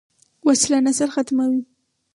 وسله نسل ختموي